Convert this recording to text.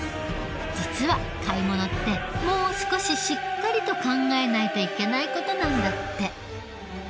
実は買い物ってもう少ししっかりと考えないといけない事なんだって。